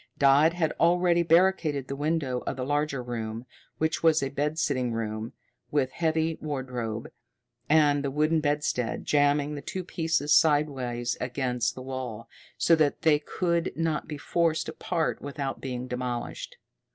Dodd had already barricaded the window of the larger room, which was a bed sitting room, with a heavy wardrobe, and the wooden bedstead, jamming the two pieces sidewise against the wall, so that they could not be forced apart without being demolished.